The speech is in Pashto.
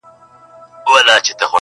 ژوند ټوله پند دی~